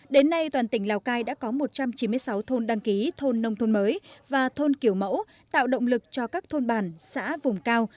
đến nay toàn tỉnh lào cai đã có một trăm chín mươi sáu thôn đăng ký thôn nông thôn mới và thôn kiểu mẫu tạo động lực cho các thôn bản xã vùng cao